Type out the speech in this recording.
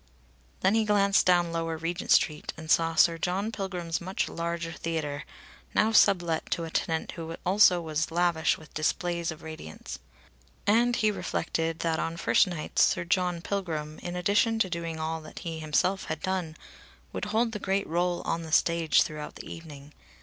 Then he glanced down Lower Regent Street and saw Sir John Pilgrim's much larger theatre, now sublet to a tenant who also was lavish with displays of radiance. And he reflected that on first nights Sir John Pilgrim, in addition to doing all that he himself had done, would hold the great rôle on the stage throughout the evening.